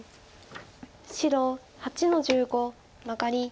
白８の十五マガリ。